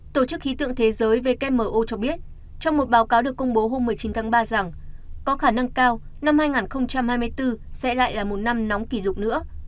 tổ chức khí tượng thế giới wmo cho biết trong một báo cáo được công bố hôm một mươi chín tháng ba rằng có khả năng cao năm hai nghìn hai mươi bốn sẽ lại là một năm nóng kỷ lục nữa